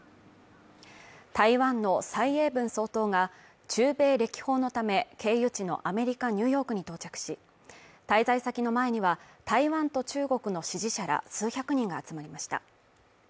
台湾の蔡英文総統が中米歴訪のため、経由地のアメリカ・ニューヨークに到着し、滞在先の前には台湾と中国の支持者ら数百人が集まりました。